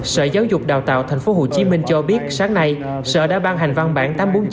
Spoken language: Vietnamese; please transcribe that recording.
sở giáo dục đào tạo tp hcm cho biết sáng nay sở đã ban hành văn bản tám trăm bốn mươi chín